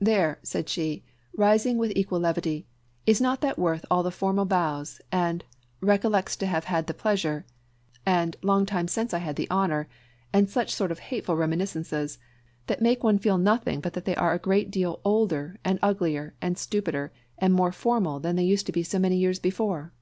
"There," said she, rising with equal levity; "is not that worth all the formal bows and 'recollects to have had the pleasure' and 'long time since I had the honour' and such sort of hateful reminiscences, that make one feel nothing but that they area great deal older, and uglier, stupider, and more formal than they were so many years before."